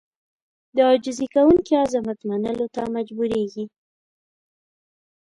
د عاجزي کوونکي عظمت منلو ته مجبورېږي.